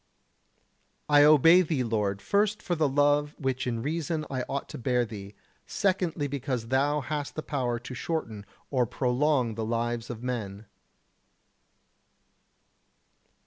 I obey Thee, Lord, first for the love which in reason I ought to bear Thee; secondly because Thou hast the power to shorten or prolong the lives of men.